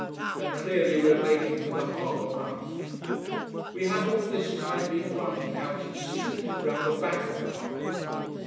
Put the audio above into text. And clearly we are making for the harbour mouth. We have all this time been running, out at sea, round the back of the harbour.